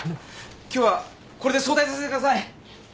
今日はこれで早退させてください。